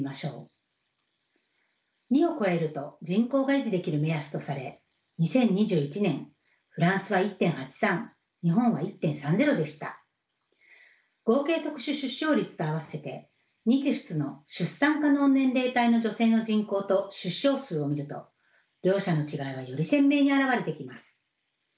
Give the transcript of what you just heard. ２を超えると人口が維持できる目安とされ２０２１年合計特殊出生率と合わせて日仏の出産可能年齢帯の女性の人口と出生数を見ると両者の違いはより鮮明に表れてきます。